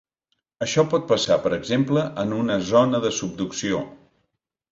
Això pot passar, per exemple, en una zona de subducció.